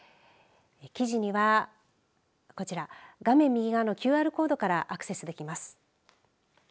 記事にはこちら画面右側のＱＲコードからアクセスできます。